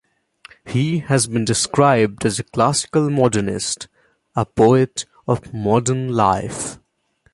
He has been described as a classical modernist, a poet of modern life.